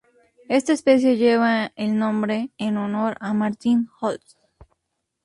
Esta especie lleva el nombre en honor a Martin Holtz.